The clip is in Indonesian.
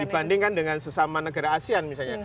dibandingkan dengan sesama negara asean misalnya